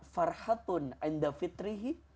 farhatun enda fitrihi